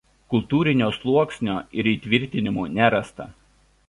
Kultūrinio sluoksnio ir įtvirtinimų nerasta.